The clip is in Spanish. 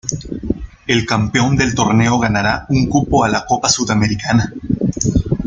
El campeón del torneo ganará un cupo a la Copa Sudamericana.